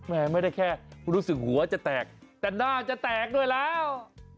ไม่ได้แค่รู้สึกหัวจะแตกแต่หน้าจะแตกด้วยแล้ว